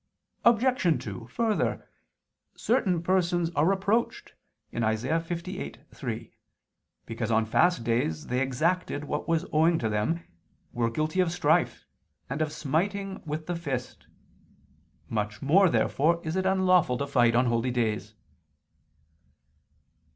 Obj. 2: Further, certain persons are reproached (Isa. 58:3) because on fast days they exacted what was owing to them, were guilty of strife, and of smiting with the fist. Much more, therefore, is it unlawful to fight on holy days.